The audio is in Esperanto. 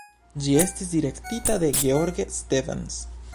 Ĝi estis direktita de George Stevens.